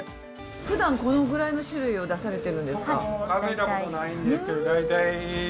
ふだんこのぐらいの種類を出されてるんですか？